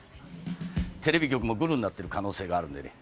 テレビ局もグルになっている可能性があるんでね。